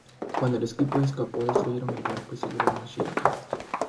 Cuando el equipo escapó, destruyeron el barco y se llevaron a Shira con ellos.